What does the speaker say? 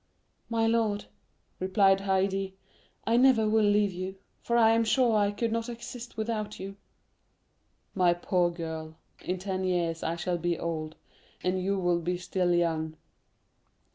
"My lord," replied Haydée, "I never will leave you, for I am sure I could not exist without you." "My poor girl, in ten years I shall be old, and you will be still young."